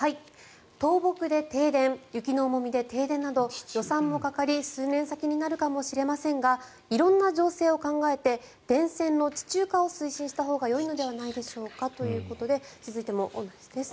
倒木で停電雪の重みで停電など予算もかかり数年先になるかもしれませんが色んな情勢を考えて電線の地中化を推進したほうがよいのではないでしょうかということで続いても同じです。